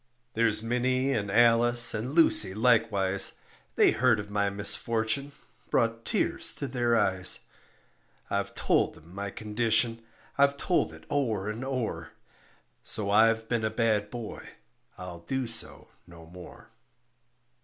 There's Minnie and Alice and Lucy likewise, They heard of my misfortune brought tears to their eyes. I've told 'em my condition, I've told it o'er and o'er; So I've been a bad boy, I'll do so no more.